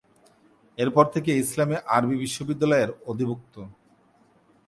এরপর থেকে ইসলামি আরবি বিশ্ববিদ্যালয়ের অধিভুক্ত।